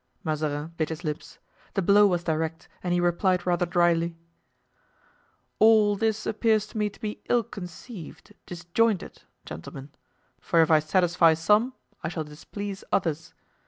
Mazarin bit his lips; the blow was direct and he replied rather dryly: "All this appears to me to be ill conceived, disjointed, gentlemen; for if I satisfy some I shall displease others.